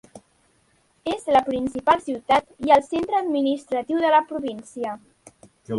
És la principal ciutat i el centre administratiu de la província.